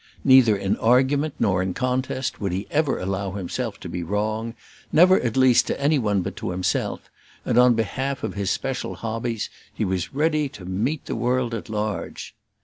Neither in argument nor in contest would he ever allow himself to be wrong; never at least to any one but to himself; and on behalf of his special hobbies, he was ready to meet the world at large.